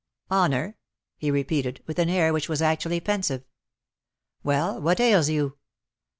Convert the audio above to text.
honour!" he repeated, with an air which was actually pensive. "Well, what ails you?"